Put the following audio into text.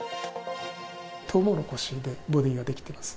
トウモロコシでボディーが出来てます。